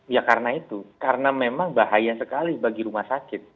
ya karena itu karena memang bahaya sekali bagi rumah sakit